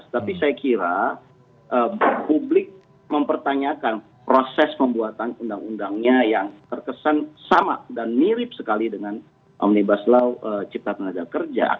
tapi saya kira publik mempertanyakan proses pembuatan undang undangnya yang terkesan sama dan mirip sekali dengan omnibus law cipta tenaga kerja